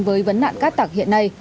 với vấn nạn cát tạc hiện nay